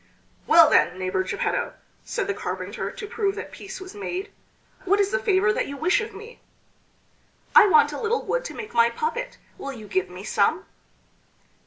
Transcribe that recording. "Well then, neighbor Geppetto," said the carpenter, to prove that peace was made, "what is the favor that you wish of me?" "I want a little wood to make my puppet; will you give me some?"